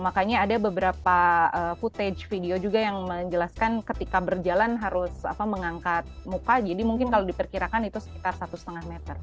makanya ada beberapa footage video juga yang menjelaskan ketika berjalan harus mengangkat muka jadi mungkin kalau diperkirakan itu sekitar satu lima meter